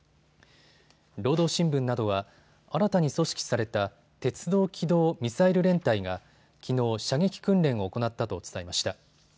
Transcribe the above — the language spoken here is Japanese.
労働新聞などは新たに組織された鉄道機動ミサイル連隊がきのう、射撃訓練を行ったと伝えました。